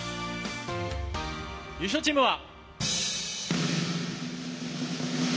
優勝チームは。